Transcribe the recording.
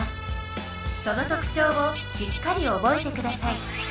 その特徴をしっかりおぼえてください。